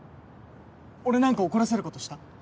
俺なんか怒らせる事した？